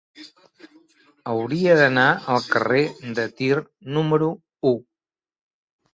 Hauria d'anar al carrer de Tir número u.